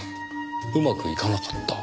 うまくいかなかった？